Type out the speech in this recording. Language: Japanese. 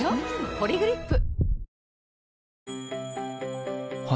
「ポリグリップ」